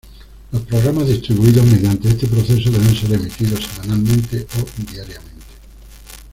Los programas distribuidos mediante este proceso deben ser emitidos semanalmente o diariamente.